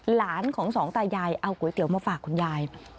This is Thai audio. หลานของสองตายายเอาก๋วยเตี๋ยวมาฝากคุณยาย